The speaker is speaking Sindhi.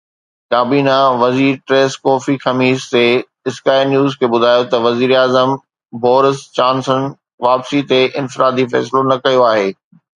ڪابينا وزير ٿريس ڪوفي خميس تي اسڪائي نيوز کي ٻڌايو ته وزير اعظم بورس جانسن واپسي تي انفرادي فيصلو نه ڪيو آهي.